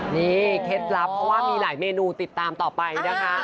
นี่เคล็ดลับเพราะว่ามีหลายเมนูติดตามต่อไปนะคะ